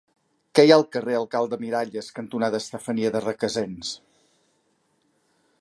Què hi ha al carrer Alcalde Miralles cantonada Estefania de Requesens?